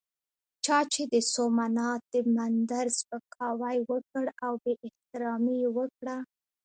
چا چې د سومنات د مندر سپکاوی وکړ او بې احترامي یې وکړه.